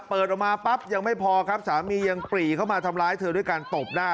เปิดออกมาปั๊บยังไม่พอครับสามียังปรีเข้ามาทำร้ายเธอด้วยการตบหน้า